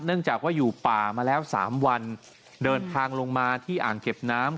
จากว่าอยู่ป่ามาแล้ว๓วันเดินทางลงมาที่อ่างเก็บน้ำ